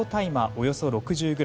およそ６０ｇ